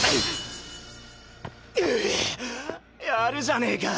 やるじゃねぇか。